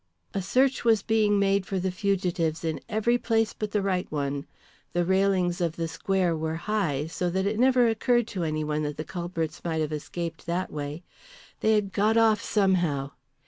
A search was being made for the fugitives in every place but the right one. The railings of the square were high, so that it never occurred to any one that the culprits might have escaped that way. They had got off somehow.